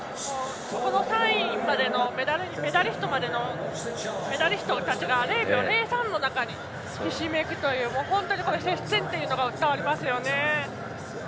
３位までのメダリストたちが０秒０３の中にひしめくという本当に接戦というのが伝わりますよね。